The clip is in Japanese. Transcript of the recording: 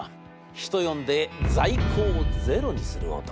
人呼んで在庫をゼロにする男。